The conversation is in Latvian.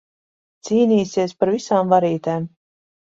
Cīnīsies par visām varītēm.